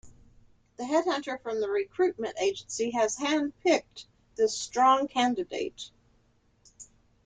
The head hunter from the recruitment agency has hand-picked this strong candidate.